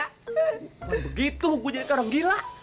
kalau begitu gua jadikan orang gila